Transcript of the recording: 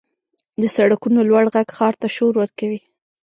• د سړکونو لوړ ږغ ښار ته شور ورکوي.